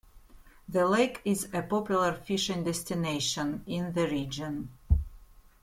The lake is a popular fishing destination in the region.